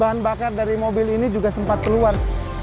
bahan bakar dari mobil ini juga sempat keluar